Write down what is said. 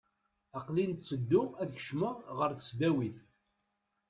Aqel-in ttedduɣ ad kecmeɣ ɣer tesdawit.